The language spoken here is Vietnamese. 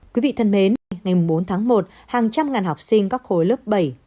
quý vị thân mến ngày bốn tháng một hàng trăm ngàn học sinh các khối lớp bảy tám chín một mươi một mươi một một mươi hai